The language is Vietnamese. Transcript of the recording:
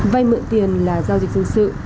vay mượn tiền là giao dịch dân sự